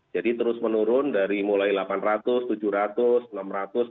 jadi terus menurun dari mulai rp delapan ratus rp tujuh ratus rp enam ratus